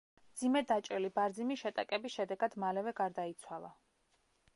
მძიმედ დაჭრილი ბარძიმი შეტაკების შედეგად მალევე გარდაიცვალა.